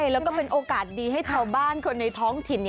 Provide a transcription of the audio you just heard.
แล้วก็เป็นโอกาสดีให้ชาวบ้านคนในท้องถิ่น